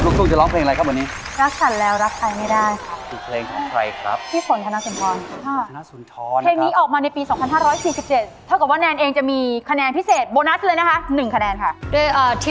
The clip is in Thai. กันไปครับลูกทุ่งจะร้องเพลงอะไรครับวันนี้